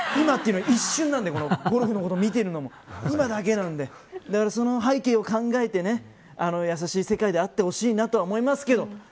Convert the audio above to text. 今というのは一瞬なのでゴルフのことを見ているのも今だけなんでだからその背景を考えてやさしい世界であってほしいなと思いますけど。